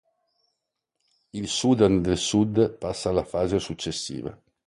Il Sudan del Sud passa alla fase successiva.